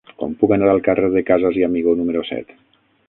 Com puc anar al carrer de Casas i Amigó número set?